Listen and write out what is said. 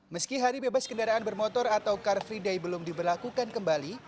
meski hari bebas kendaraan bermotor atau car free day belum diberlakukan kembali